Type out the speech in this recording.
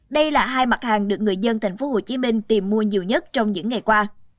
đây là hai mặt hàng được người dân thành phố hồ chí minh tìm mua nhiều nhất trong những ngày qua